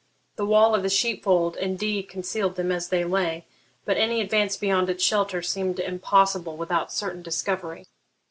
The wall of the sheep fold indeed concealed them as they lay, but any advance beyond its shelter seemed impossible without certain discovery.